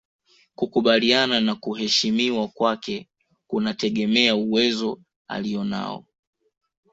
Kukubalika na kuheshimiwa kwake kunategemea uwezo alionao